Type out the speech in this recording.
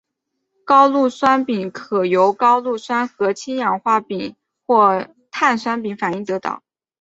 高氯酸镍可由高氯酸和氢氧化镍或碳酸镍反应得到。